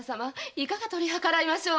いかが取り計らいましょう？